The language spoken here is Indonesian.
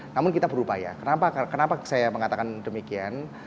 namun kita berupaya kenapa saya mengatakan demikian